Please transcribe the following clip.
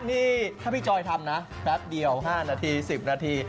นี่ถ้าพี่จอยทำนะแป๊บเดียว๕นาที๑๐นาที